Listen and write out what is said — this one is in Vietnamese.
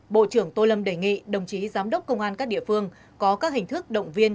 bộ trưởng tô lâm đề nghị đồng chí giám đốc công an các địa phương có các hình thức động viên